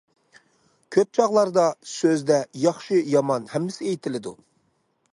كۆپ چاغلاردا سۆزدە ياخشى- يامان ھەممىسى ئېيتىلىدۇ.